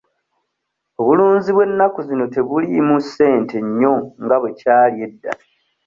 Obulunzi bw'ennaku zino tebuliimu ssente nnyo nga bwe kyali edda.